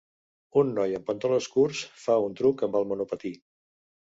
Un noi amb pantalons curts fa un truc amb el monopatí.